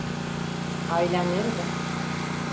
Ailen nerede?